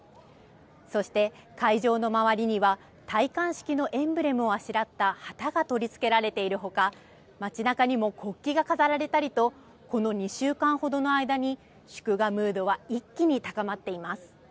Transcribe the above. そして、会場の周りには戴冠式のエンブレムをあしらった旗が取り付けられているほか、街なかにも国旗が飾られたりと、この２週間ほどの間に、祝賀ムードは一気に高まっています。